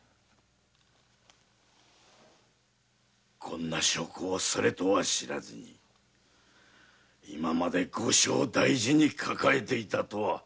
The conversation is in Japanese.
こんな証拠をそれとは知らずに今まで後生大事に抱えていたとは皮肉なものよ。